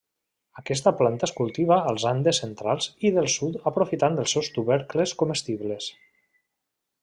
Aquesta planta es cultiva als Andes centrals i del sud aprofitant els seus tubercles comestibles.